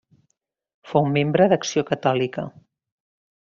Fou membre d'Acció Catòlica.